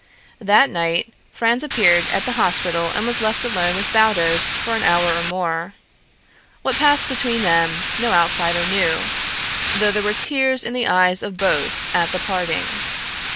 That night Franz appeared at the hospital and was left alone with Baldos for an hour or more. What passed between them, no outsider knew, though there tears in the eyes of both at the parting.